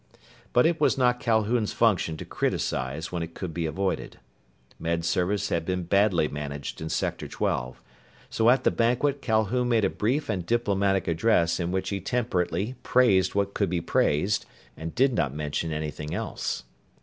But it was not Calhoun's function to criticize when it could be avoided. Med Service had been badly managed in Sector Twelve. So at the banquet Calhoun made a brief and diplomatic address in which he temperately praised what could be praised, and did not mention anything else.